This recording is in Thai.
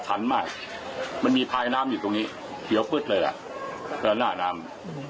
อธันต์มากมันมีพายน้ำอยู่ตรงนี้เดี๋ยวพึดเลยล่ะเพราะหน้าน้ำ